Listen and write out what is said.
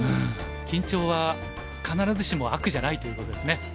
緊張は必ずしも悪じゃないということですね。